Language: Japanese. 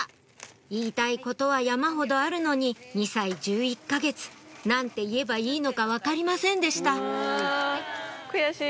言いたいことは山ほどあるのに２歳１１か月何て言えばいいのか分かりませんでした悔しい。